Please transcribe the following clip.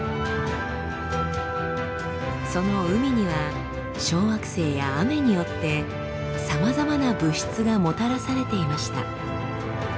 その海には小惑星や雨によってさまざまな物質がもたらされていました。